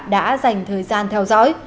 đã dành thời gian theo dõi